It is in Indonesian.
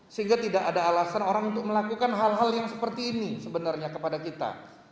sehingga tidak ada alasan orang untuk melakukan hal hal yang seperti ini sebenarnya kepada kita